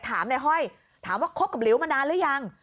ถามในห้อยถามว่าคบกับหลิวมานานหรือยัง